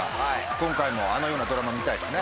今回もあのようなドラマ見たいですね。